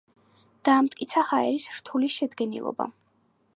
დაამტკიცა ჰაერის რთული შედგენილობა.